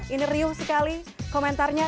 ini riuh sekali komentarnya